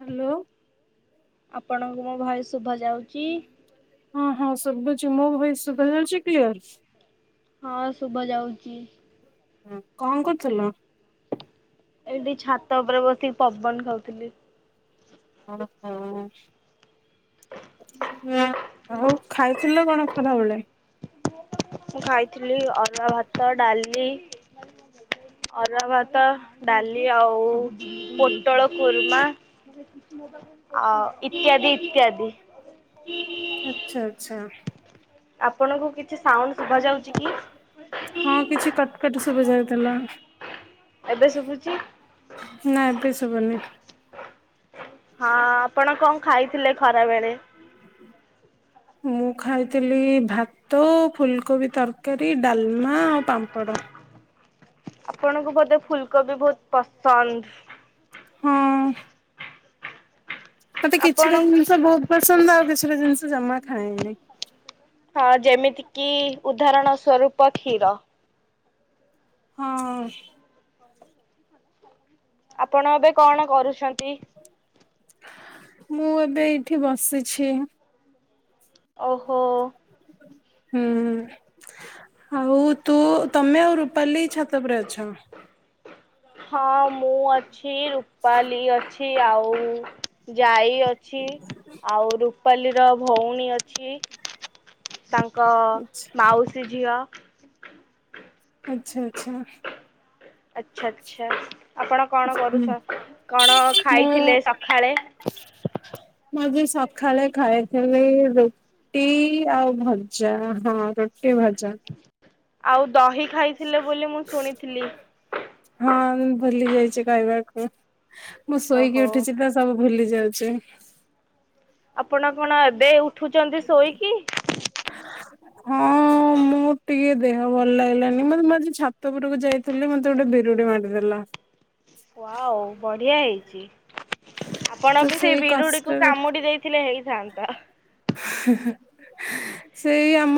Hello. ଆପଣଙ୍କୁ ମୋ ଭଏ ଶୁଭ ଯାଉଚି? ହଁ ହଁ ଶୁବୁଛି। ମୋ ଭଏସ୍ ଶୁବା ଯାଉଛି କ୍ଲିଅର୍? ହଁ ଶୁଭା ଯାଉଚି। ହଁ କଣ କରୁଥିଲ? ଏଇଠି ଛାତ ଉପରେ ବସିକି ପବନ ଖାଉଥିଲି। ଓହୋ! ନା ଆଉ ଖାଇଥିଲ କଣ ଖରାବେଳେ? ମୁଁ ଖାଇଥିଲି ଅରୁଆ ଭାତ ଡାଲି ଅରୁଆ ଭାତ ଡାଲି ଆଉ ପୋଟଳ କୁର୍ମା। ଆ, ଇତ୍ୟାଦି ଇତ୍ୟାଦି। ଆଚ୍ଛା, ଆଚ୍ଛା। ଆପଣଙ୍କୁ କିଛି ସାଉଣ୍ଡ ଶୁଭା ଯାଉଚି କି? ହଁ କିଛି କଟ୍ କଟ୍ ଶୁଭା ଯାଉଥିଲା। ଏବେ ଶୁଭୁଚି? ନା ଏବେ ଶୁବୁନି। ହଁ ଆପଣ କଣ ଖାଇଥିଲେ ଖରା ବେଳେ। ମୁଁ ଖାଇଥିଲି ଭାତ ଫୁଲକୋବି ତର କାରୀ ଡାଲମା ଆଉ ପାମ୍ପଡ଼। ଆପଣଙ୍କୁ ବୋଧେ ଫୁଲକୋବି ବହୁତ ପସନ୍ଦ? ହଁ। ମୋତେ ଆପଣ କିଛିଟା ଜିନିଷ ବହୁତ ପସନ୍ଦ ଆଉ କିଛିଟା ଜିନିଷ ଜମା ଖାଏନି। ଅ, ଯେମିତି କିି ଉଦାହରଣ ସ୍ବରୂପ କ୍ଷୀର। ହଁ। ଆପଣ ଏବେ କଣ କରୁଛନ୍ତି? ମୁଁ ଏବେ ଏଇଠି ବସିଛି। ଓହୋ! ହୁଁ, ଆଉ ତୁ ତୋମେ ଆଉ ରୁପାଲି ଛାତ ଉପରେ ଅଛ? ହଁ ମୁଁ ଅଛି ରୁପାଲି ଅଛି ଆଉ ଜାଇ ଇ ଅଛି ଆଉ ରୁପାଲି ର ଭଉଣୀ ଅଛି। ତାଙ୍କ ଆଚ୍ଛା ମାଉସୀ ଝିଅ। ଆଚ୍ଛା ଆଛା। ଆଛା ଆଚ୍ଛା ଆପଣ କଣ ହୁଁ କରୁଛ? କଣ ମୁଁ ଖାଇଥିଲେ ସକାଳେ? ମୁଁ ଆଜି ସକାଳ ଖାଇଥିଲି ଦୁ ଟି ଆଉ ଭଜା ହଁ ରୁଟି ଭଜା। ଆଉ ଦହି ଖାଇଥିଲେ ବୋଲି ମୁଁ ଶୁଣିଥିଲି? ହଁ ଭୁଲି ଯାଇଛି କହିବାକୁ ମୁଁ ଓହୋ। ଶୋଇକି ଉଠିଛି ତା ସବୁ ଭୁଲି ଯାଉଛି। ଆପଣ କଣ ଏବେ ଉଠୁଛନ୍ତି ଶୋଇକି? ହଁ ଅ ମୁଁ ଟିକେ ଦେହ ଭଲ ଲାଗିଲାନି ମୁଁ ମ ମ ମୁଁ ଆଜି ଛାତ ଉପରକୁ ଯାଇଥିଲି ମତେ ଗୋଟେ ବିରୁଡି ମାରିଦେଲା। ୱଉ ବଢ଼ିଆ ହେଇଛି। ଆପଣ ବି ସେଇ ବିରୁଡିକୁ କାମୁଡି ଦେଇଥିଲେ ହେଇଥାନ୍ତା। ହିଁ ହିଁ ସେଇ ଆମ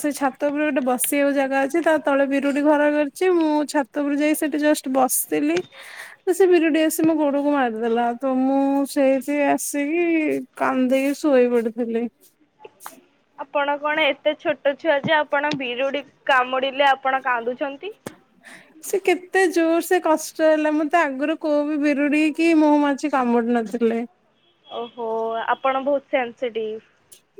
ସେଇ ଛା ଛାତ ଉପରେ ଗୋଟେ ବସିବାକୁ ଜାଗା ଅଛି ତା ତଳେ ବିରୁଡି ଘର କରିଛି ମୁଁ ଛାତଉପରକୁ ଯାଇ ସେଠି ଜଷ୍ଟ୍ ବସିଲି ତ ସେ ବିରୁଡି ଆସି ମୋ ଗୋଡକୁ ମାରିଦେଲା ଆ ତ ମୁଁ ସେଇଠି ଆସିକି କାନ୍ଦିକି ଶୋଇ ପଡିଥିଲି। ଆପଣ କଣ ଏତେ ଛୋଟ ଛୁଆ ଯେ ଆପଣ ବିରୁଡି କାମୁଡିଲେ ଆପଣ କାନ୍ଦୁଛନ୍ତି? ହ [inaudible] ସେ କେତେ ଜୋର ସେ କଷ୍ଟ ହେଲା ମତେ ଆଗରୁ କୋଉ ବି ବିରୁଡି କି ମହୁମାଛି କାମୁଡି ନଥିଲେ। ଓହୋ ଆପଣ ବହୁତ ସେନ୍ସେଟିଭ।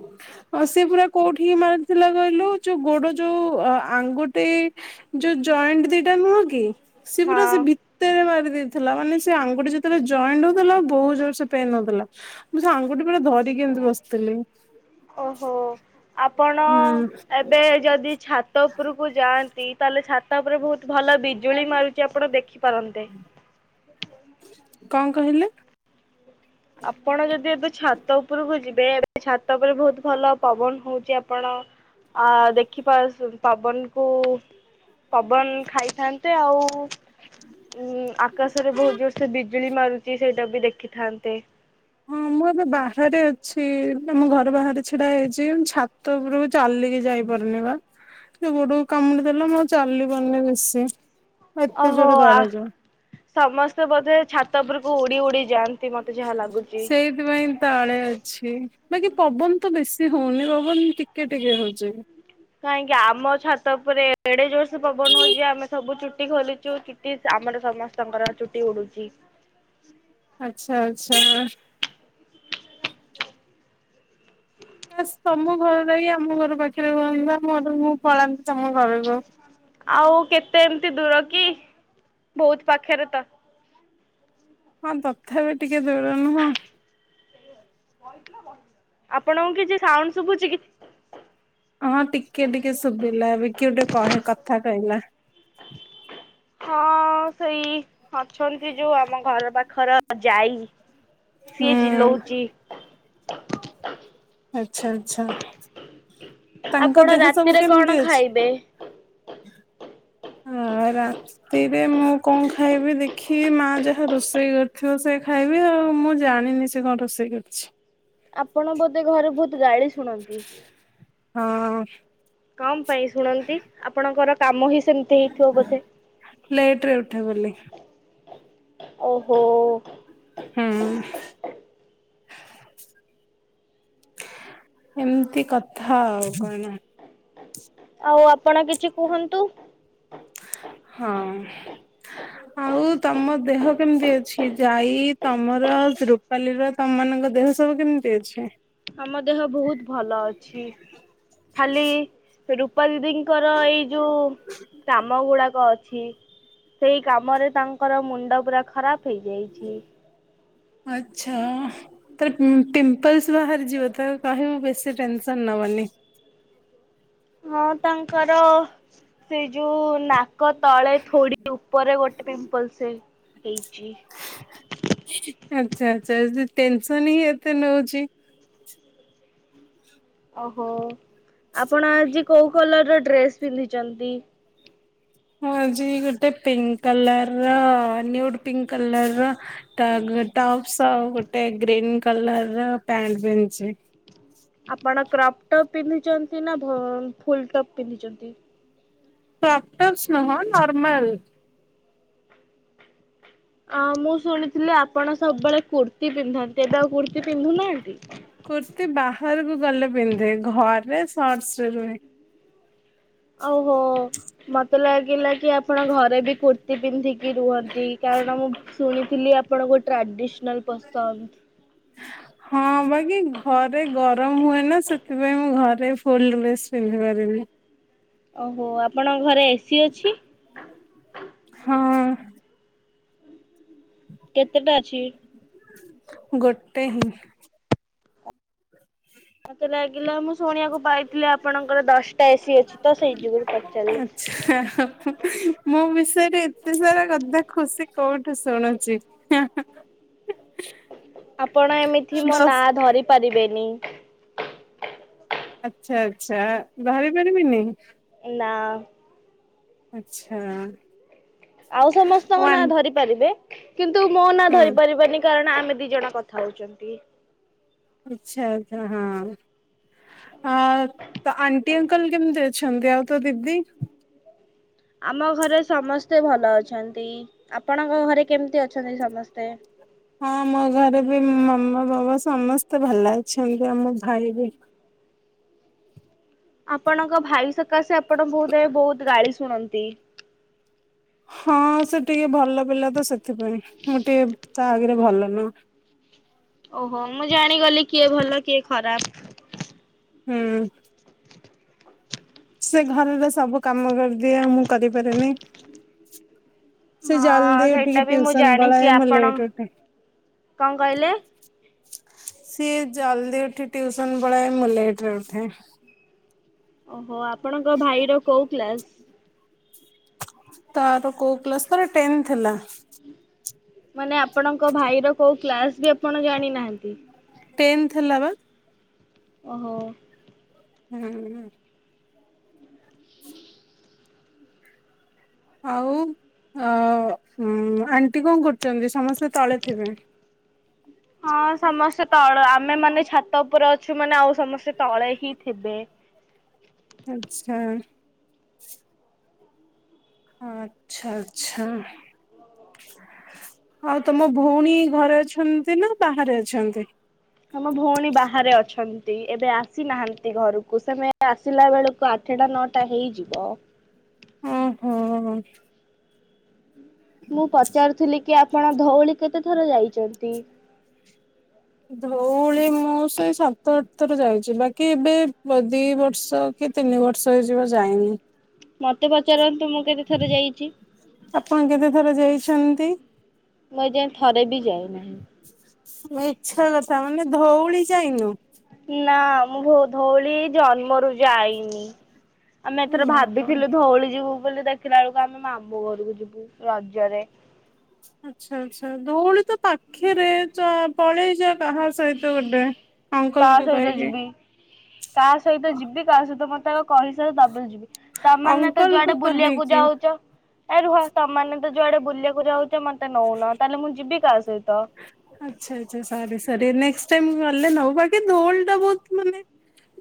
ହ [inaudible] ହଁ ସେ ପୁରା କୋଉଠି କି ମାରିଥିଲା କହିଲୁ ଯୁ ଗୋଡ ଯୋଉ ଆ ଆଙ୍ଗୁଠି ଯୋଉ ଜଏଣ୍ଟ ଦିଟା ନୁହଁ କି ସେ ପୁରା ସେ ହଁ ଭି ଭିତରେ ମାରି ଦେଇଥିଲା ମାନେ ସେ ଆଙ୍ଗୁଠି ଯେତେବେଳେ ଜଏଣ୍ଟ ହେଉଥିଲା ବହୁତ ଜୋର ସେ ପେନ୍ ହଉଥିଲା। ମୁଁ ସେ ଆଙ୍ଗୁଠି ପୂରା ଧରିକି ଏମିତି ବସିଥିଲି। ଓହୋ ଆପଣ ହୁଁ ଏବେ ଯଦି ଛାତ ଉପରକୁ ଯାଆ ଯାଆନ୍ତି ତାହେଲେ ଛାତ ଉପରେ ବହୁତ ଭଲ ବିଜୁଳି ମାରୁଛି ଆପଣ ଦେଖିପାରନ୍ତେ? କ କହିଲେ? ଆପଣ ଯଦି ଏବେ ଛାତ ଉପରକୁ ଯିବେ ଏବେ ଛାତ ଉପରେ ବହୁତ ଭଲ ପବନ ହଉଛି ଆପଣ ଆ ଦେଖିିପାରୁଛି ପବନ କୁ ପବନ ଖାଇଥାନ୍ତେ ଆଉ ଉଁ ଆକାଶରେ ବହୁତ ଜୋର ସେ ବିଜୁଳି ମାରୁଛି ସେଇଟା ବି ଦେଖିଥାନ୍ତେ। ହଁ ମୁଁ ଏବେ ବାହାରେ ଅଛି ଆମ ଘର ବାହାରେ ଛିଡା ହେଇଛି ଛା ଛାତ ଉପରକୁ ଚାଲିକି ଯାଇପାରୁନି ବା ସେ ଗୋଡକୁ କାମୁଡି ଦେଲା ମୁଁ ଆଉ ଚାଲି ପାରୁନି ବେଶୀ। ଏତେ ଓହୋ ଜୋରେ ଆ ଦରଜ। ସମସ୍ତେ ବୋଧେ ଛାତ ଉପରକୁ ଉଡି ଉଡି ଯାଆ ସେଇ ସେଥିପାଇଁ ତଳେ ଅଛି ବାକି ପବନ ତ ବେଶୀ ହଉନି ପବନ ଟିକେ ଟିକେ ହଉଛି। କାହିଁକି ଆମ ଛାତ ଉପରେ ଏଡେ ଜୋର ସେ ପବନ ହଉଛି ଆମେ ସବୁ ଚୁଟି ଖୋଲିଛୁ ଚୁ ଟି ଆମର ସମସ୍ତଙ୍କର ଚୁଟି ଉଡୁଛି। ଆଛା ଆଚ୍ଛା। ଖାସ ତମ ଘର ଯାଇକି ଆମ ଘର ପାଖରେ ରୁହନ୍ତା ମୁଁ ମୋର ମୁଁ ପଳାନ୍ତି ତମ ଘରକୁ। ଆଉ କେତେ ଏମିତି ଦୂର କି ବହୁତ ପାଖରେ ତ। ହଁ ତଥାପି ଟିକେ ଦୂର ନୁହଁ? ଆପଣଙ୍କୁ କିଛି ସାଉଣ୍ଡ ଶୁଭୁଛି କି? ହଁ ଟିକେ ଟିକେ ଶୁଭିଲା ଏବେ କିଏ ଗୋଟେ କହେ କଥା କହିଲା। ହଁ ସେଇ ଅଛନ୍ତି ଯୋଉ ଆମ ଘର ପାଖର ଯାଇ ହୁଁ ସିଏ ଚିଲଉଚି। ଆଚ୍ଛା, ଆଚ୍ଛା, ତାଙ୍କ ଆପଣ ଦେହ ସବୁ ରାତିରେ କଣ କେମିତି ଅଛି? ଖାଇବେ? ହଁ ରା ତିରେ ମୁଁ କଣ ଖାଇବି ଦେଖିବି ମା ଯାହା ରୋଷେଇ କରିଥିବ ସେ ଖାଇବି ଆଉ ମୁଁ ଜାଣିନି ସେ ସେ କଣ ରୋଷେଇ କରିଛି। ଆପଣ ବୋଧେ ଘରେ ବହୁତ ଗାଳି ଶୁଣନ୍ତି? ହଁ କଁ ପାଇଁ ଶୁଣନ୍ତି, ଆପଣଙ୍କର କାମ ହିଁ ସେମ୍ ଦେଇଥିବ ବୋଧେ, ଲେଟ ରେ ଉଠେ ବୋଲି ଓହୋ। ହୁଁ ଏମିତି କଥା ଆଉ କଅନା। ଆଉ ଆପଣ କିଛି କୁହନ୍ତୁ? ହଁ [unintelligible] ଆଉ ତମ ଦେହ କେମିତି ଅଛି? ଯାଇ, ତମର ରୂପାଲିର ତମ ମାନଙ୍କ ଦେହ ସବୁ କେମିତି ଅଛି? ଆମ ଦେହ ବହୁତ ଭଲ ଅଛି, ଖାଲି ରୂପାଦିଦି ଙ୍କର ଏଇ ଯୋଉ କାମ ଗୁଡ଼ାକ ଅଛି ସେଇ କାମରେ ତାଙ୍କର ମୁଣ୍ଡ ପୁରା ଖରାପ ହେଇଯାଇଛି। ଆଚ୍ଛା। ତାର ପିମ୍ପ ପିମ୍ପଲ୍ସ ବାହାରି ଯିବ ତାକୁ କହିବୁ ବେଶୀ ଟେନସନ୍ ନବନି। ହଁ ତାଙ୍କର ସେ ଯୋଉ ନାକ ତଳେ ଥୋଡ଼ି ଉପରେ ଗୋଟେ ପିମ୍ପଲ୍ସ ସେଇ ହେଇଚି। ଆଚ୍ଛା, ଆଚ୍ଛା, ଯଦି ଟେନସନ୍ ହିଁ ଏତେ ନଉଛି ଓହୋ, ଆପଣ ଆଜି କୋଉ କଲରର ଡ୍ରେସ୍ ପିନ୍ଧିଛନ୍ତି? ମୁ ଆଜି ଗୋଟେ ପିଙ୍କ୍ କଲରର ନ୍ୟୁଟ୍ ପିଙ୍କ୍ କଲରର ଟଗ୍ ଟପ୍ସ ଗୋଟେ ଗ୍ରୀନ୍ କଲରର ପ୍ୟାଣ୍ଟ ପିନ୍ଧିଛି। ଆପଣ କ୍ରପ୍ ଟପ୍ ପିନ୍ଧିଛନ୍ତି ନା ଭଲ ଫୁଲ ଟପ୍ ପିନ୍ଧିଛନ୍ତି? କ୍ରପ୍ ଟପ୍ସ ନୁହଁ ନର୍ମାଲ୍। ଅଁ ମୁଁ ଶୁଣିଥିଲି ଆପଣ ସବୁବେଳେ କୁର୍ତ୍ତି ପିନ୍ଧନ୍ତି ଏବେ ଆଉ କୁର୍ତ୍ତି ପିନ୍ଧୁନାହାନ୍ତି? କୁର୍ତ୍ତି ବାହାରକୁ ଗଲେ ପିନ୍ଧେ, ଘରେ ସର୍ଟସରେ ରୁହେ। ଆଉ ହୋ, ମତେ ଲାଗିଲା କି ଆପଣ ଘରେ ବି କୁର୍ତ୍ତି ପିନ୍ଧିକି ରୁହନ୍ତି। ନ୍ତି କାରଣ ମୁଁ ଶୁଣିଥିଲି ଆପଣଙ୍କୁ ଟ୍ରାଡ଼ିସ୍ନାଲ୍ ପସନ୍ଦ। [inaudible] ହଁ ବାକି ଘରେ ଗରମ ହୁଏ ନା ସେଥିପାଇଁ ମୁଁ ଘରେ ଫୁଲ୍ ଡ୍ରେସ୍ ପିନ୍ଧି ପାରିବି। ଓହୋ ଆପଣଙ୍କ ଘରେ ଏସିି ଅଛି? ହଁ [inaudible] କେତେଟା ଅଛି? ଗୋଟେ ହିଁ। ମୋତେ ଲାଗିଲା ମୁଁ ଶୁଣିବାକୁ ପାଇଥିଲି ଆପଣଙ୍କର ଦଶ୍ଟା ଏସି ଅଛି ତ ସେଇ ଯୋଗୁରୁ ପଚାରିଲି। ଆଚ୍ଛା ମୋ ବିଷୟରେ ଏତେ ସାରା କଥା ଖୁସି କୋଉଠୁ ଶୁଣୁଚି? [inaudible] ଆପଣ ଏମିତି ମୋ ନା ଧରି ପାରିବେନି। ଆଚ୍ଛା ଆଚ୍ଛା ଧରି ପାରିବିନି। ନା ଆଚ୍ଛା ଆଉ ସମସ୍ତଙ୍କ ନା ୱାନ୍ ଧରି ପାରିବେ କିନ୍ତୁ ମୋ ନା ହୁଁ ଧରି ପାରିବାନି କାରଣ ଆମେ ଦି ଜଣ କଥା ହଉଛନ୍ତି। ଆଚ୍ଛା ଆଚ୍ଛା ହଁ। ହଁ ତ ଆଣ୍ଟି ଅଙ୍କଲ କେମିତି ଅଛନ୍ତି ଆଉ ତୋ ଦିଦି? ଆମ ଘରେ ସମସ୍ତେ ଭଲ ଅଛନ୍ତି ଆପଣଙ୍କ ଘରେ କେମିତି ଅଛନ୍ତି ସମସ୍ତେ? ହଁ ମୋ ଘରେ ବି ମାମା, ବାବା ସମସ୍ତେ ଭଲ ଅଛନ୍ତି ଆଉ ମୋ ଭାଇ ବି। ଆପଣଙ୍କ ଭାଇ ସକାଶେ ଆପଣ ବହୁତ ବହୁତ୍ ଗାଳି ଶୁଣନ୍ତି। ହଁ ସେ ଟିକେ ଭଲ ପିଲା ତ ସେଥିପାଇଁ ମୁଁ ଟିକେ ତା ଆଗରେ ଭଲ ନୁହୁ। ଓହୋ ମୁଁ ଜାଣିଗଲି କିଏ ଭଲ କିଏ ଖରାପ। ହୁଁ। ସେ ଘରର ସବୁ କାମ କରିଦିଏ ମୁଁ କରିପାରେନି। ସେ ହଁ ଜଲଦି ସେଇଟା ଉଠିକି ବି ମୁଁ ଟ୍ୟୁସନ୍ ଜାଣିଛି ପଳାଏ ମୁଁ ଆପଣ ଲେଟ୍ ରେ ଉଠେ। କଣ କହିଲେ? ସିଏ ଜଲଦି ଉଠି ଟ୍ୟୁସନ୍ ପଳାଏ ମୁଁ ଲେଟ୍ ରେ ଉଠେ। ଓ ହୋ ଆପଣଙ୍କ ଭାଇର କୋଉ କ୍ଲାସ୍? ତାର କୋଉ କ୍ଲାସ୍ ତାର ଟେନ୍ଥ ହେଲା। ମାନେ ଆପଣଙ୍କ ଭାଇର କୋଉ କ୍ଲାସ ବି ଆପଣ ଜାଣିନାହାନ୍ତି। ଟେନ୍ଥ ହେଲା ପା। ଓ ହୋ। ହୁଁ। ଆଉ ଅ ଆଣ୍ଟି କଣ କରୁଛନ୍ତି ସମସ୍ତେ ତଳେ ଥିବେ। ହଁ ସମସ୍ତେ ତଳେ ଆମେ ମାନେ ଛାତ ଉପରେ ଅଛୁ ମାନେ ଆଉ ସମସ୍ତେ ତଳେ ହିଁ ଥିବେ। ଆଚ୍ଛା। ଆଚ୍ଛା ଆଚ୍ଛା। ଆଉ ତମ ଭଉଣୀ ଘରେ ଅଛନ୍ତି ନା ବାହାରେ ଅଛନ୍ତି? ଆମ ଭଉଣୀ ବାହାରେ ଅଛନ୍ତି ଏବେ ଆସିନାହାନ୍ତି ଘରକୁ ସେମାନେ ଆସିଲା ବେଳକୁ ଆଠଟା ନଅଟା ହେଇଯିବ। ଓ ହୋ। ମୁଁ ପଚାରୁଥିଲି କି ଆପଣ ଧଉଳି କେତେ ଥର ଯାଇଛନ୍ତି? ଧଉଳି ମୁଁ ସେଇ ସାତ ଥର ଯାଇଛି ବାକି ଏବେ ଦି ବର୍ଷ କି ତିନି ବର୍ଷ ହେଇଯିବ ଯାଇନି। ମତେ ପଚାରନ୍ତୁ ମୁଁ କେତେ ଥର ଯାଇଛି। ଆପଣ କେତେ ଥର ଯାଇଛନ୍ତି? ମୁଁ ଏ ଯାଏ ଥରେ ବି ଯାଇନି। ମିଛ କଥା ମାନେ ଧଉଳି ଯାଇନୁ। ନା ମୁଁ ଧଉଳି ଜନ୍ମରୁ ଯାଇନି। ଆମେ ଏ ଏଥର ଭଗବାନ। ଭାବିଥିଲୁ ଧଉଳି ଯିବୁ ବୋଲି ଦେଖିଲା ବେଳକୁ ଆମେ ମାମୁଁ ଘରକୁ ଯିବୁ ରଜରେ। ଆଚ୍ଛା ଆଚ୍ଛା ଧଉଳି ତ ପାଖରେ ପଳେଇ ଯା କାହା ସହିତ ଗୋଟେ ଅଙ୍କଲ କାହା କୁ ସହିତ କହିକି। ଯିବି କାହା ସହିତ ଯିବି କାହା ସହିତ ମତେ ଆଉ କହି ସାରେ ତାପରେ ଯିବି ତମେ ମାନେ ତ ଅଙ୍କଲ ଯୁଆଡ଼େ କୁ ବୁଲିବାକୁ କହିକି। ଯାଉଛ ଏ ରୁହ ତମାନେ ତ ଯୁଆଡ଼େ ବୁଲିବାକୁ ଯାଉଛ ମତେ ନଉନ ତାହେଲେ ମୁଁ ଯିବି କାହା ସହିତ। ଆଚ୍ଛା ଆଚ୍ଛା ସରି ସରି ନେଷ୍ଟ୍ ଟାଇମ୍ ଗଲେ ନବୁ ବାକି ଧଉଳି ଟା ବହୁତ୍ ମାନେ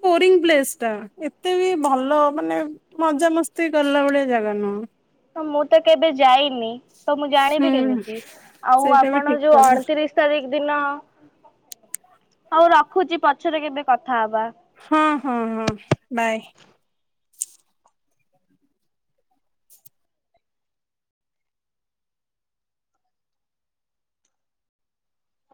ବୋରିଙ୍ଗ ପ୍ଲେସ୍ ଟା ଏତେ ବି ଭଲ ମାନେ ମଜା ମସ୍ତି କଲା ଭଳିଆ ଜାଗା ନୁହଁ। ତ ମୁଁ ତ କେବେ ଯାଇନି ତ ମୁଁ ଜାଣିବି ହୁଁ କେମିତି ଆଉ ସେଇଟା ବି ଆପଣ ଠିକ ଯୋଉ କଥା ଅଣତିରିଶି ତାରିଖ ଦିନ ହଉ ରଖୁଛି ପଛରେ କେବେ କଥା ହବା। ହଁ ହଁ ହଁ ବାଏ।